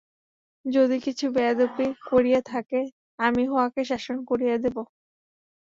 যদি কিছু বেয়াদপি করিয়া থাকে আমি উহাকে শাসন করিয়া দিব।